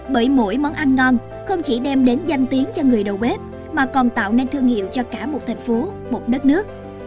bởi mỗi món ăn ngon không chỉ đem đến danh tiếng cho người đầu bếp mà còn tạo nên thương hiệu cho cả một thành phố một đất nước